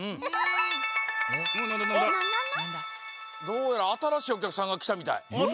どうやらあたらしいおきゃくさんがきたみたい。